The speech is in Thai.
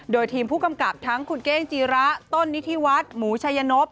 โดยทีมผู้กำกับทั้งคุณเก้งจีระต้นนิธิวัฒน์หมูชัยนพ